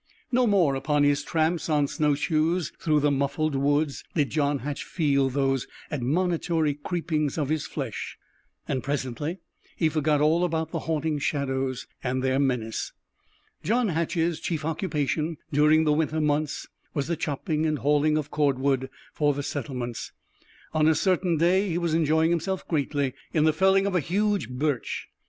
No more, upon his tramps on snowshoes through the muffled woods, did John Hatch feel those admonitory creepings of his flesh, and presently he forgot all about the haunting shadows and their menace. John Hatch's chief occupation, during the winter months, was the chopping and hauling of cord wood for the settlements. On a certain day he was enjoying himself greatly in the felling of a huge birch.